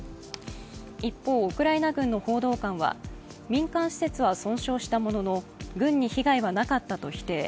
一方、ウクライナ軍の報道官は民間施設は損傷したものの軍に被害はなかったと否定。